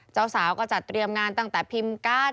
เจ้าสาวก็จัดเตรียมงานตั้งแต่พิมพ์การ์ด